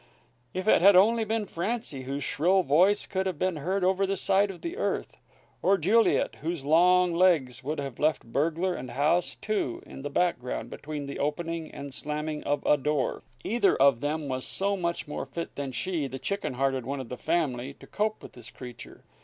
If it had only been Francie, whose shrill voice could have been heard over the side of the earth, or Juliet, whose long legs would have left burglar, and house, too, in the background between the opening and slamming of a door. Either of them was so much more fit than she, the chicken hearted one of the family, to cope with this creature.